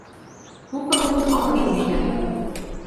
Hoe kan men het anders omschrijven?